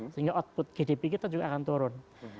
sehingga output gdp kita juga akan turun